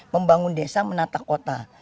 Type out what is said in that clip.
membangun desa menata kota